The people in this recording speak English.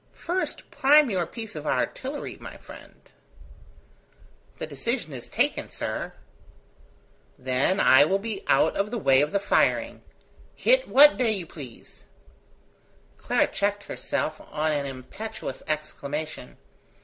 First prime your piece of artillery, my friend." "The decision is taken, sir." "Then I will be out of the way of the firing. Hit what day you please." Clara checked herself on an impetuous exclamation.